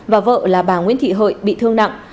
và vợ là bà nguyễn thị hợi bị thương nặng